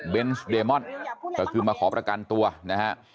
เดมอนก็คือมาขอประกันตัวนะฮะ